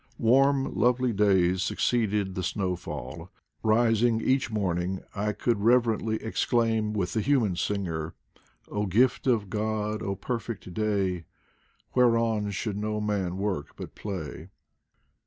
Warm lovely days succeeded the snowfall. Eis ing each morning I could reverently exclaim with the human singer, O gift of God! O perfect day! Whereon should no man work but play.